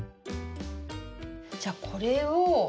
じゃこれを。